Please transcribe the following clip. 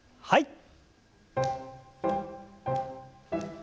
はい。